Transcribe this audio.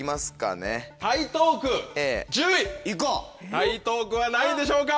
台東区は何位でしょうか？